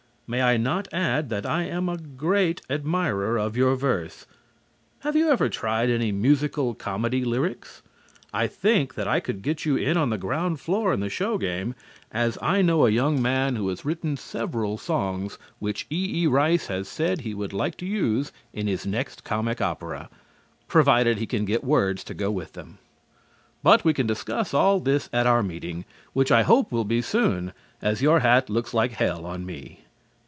May I not add that I am a great admirer of your verse? Have you ever tried any musical comedy lyrics? I think that I could get you in on the ground floor in the show game, as I know a young man who has written several songs which E.E. Rice has said he would like to use in his next comic opera provided he can get words to go with them. But we can discuss all this at our meeting, which I hope will be soon, as your hat looks like hell on me.